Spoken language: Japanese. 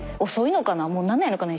もうなんないのかな？